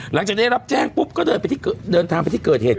หลังจากได้รับแจ้งปุ๊บก็เดินทางไปที่เกิดเหตุ